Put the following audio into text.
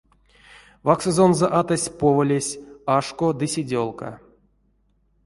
Ваксозонзо атась поволесь ашко ды седёлка.